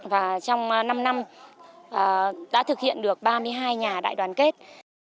và trong năm năm đã thực hiện được ba mươi hai nhà đại đoàn kết